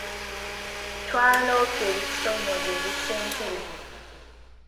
Twaloopye ebitusoomooza eri ssentebe.